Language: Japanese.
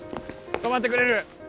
止まってくれる？